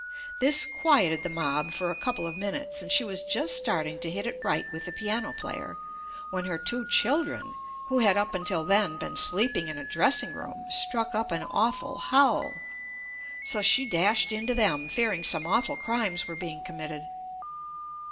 This quieted the mob for a couple of minutes, and she was just starting to hit it right with the piano player, when her two children, who had up until then, been sleep ing in a dressing room, struck up an awful howl. So she dashed in to them, fearing some awful crimes were being committed.